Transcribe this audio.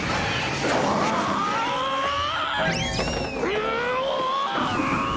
うお！